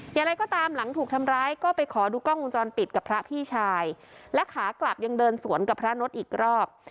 อย่างไรก็ตามหลังถูกทำร้ายก็ไปขอดูกล้องวงจรปิดกับพระพี่ชายและขากลับยังเดินสวนกับพระนดอีกรอบ